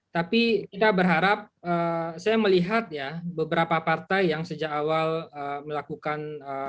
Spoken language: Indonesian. tapi kita berharap saya melihat ya beberapa partai yang sejak awal melakukan